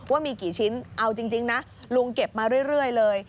ว่ามีกี่ชิ้นเอาจริงนะลุงเก็บมาเรื่อยเลย